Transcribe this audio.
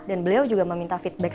dan beliau juga meminta feedback